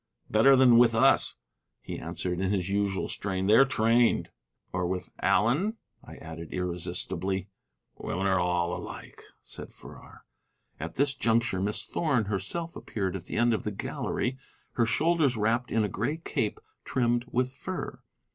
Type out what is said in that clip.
"Better than with us," he answered in his usual strain. "They're trained." "Or with Allen?" I added irresistibly. "Women are all alike," said Farrar. At this juncture Miss Thorn herself appeared at the end of the gallery, her shoulders wrapped in a gray cape trimmed with fur.